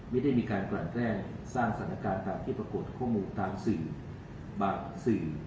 ไม่ได้มีการกระแน่นสร้างสถานการณ์ตามที่ปรักษณ์ข้อมูลตามสื่อ